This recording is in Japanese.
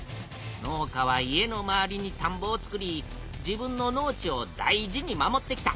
農家は家の周りにたんぼを作り自分の農地を大事に守ってきた。